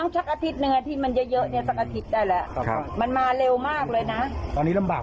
จะขึ้นข้างโน่นจบบ่าย